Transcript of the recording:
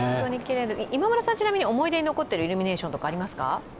今村さんが思い出に残っているイルミネーションはありますか？